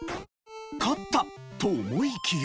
勝った！と思いきや。